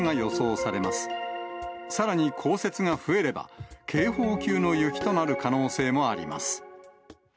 さらに、降雪が増えれば、警報級の雪となる可能性もあります。